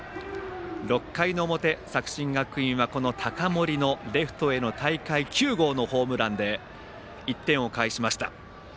６回の表、作新学院は高森はレフトへの大会９号のホームランで１点を返しました。